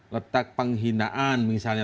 letak penghinaan misalnya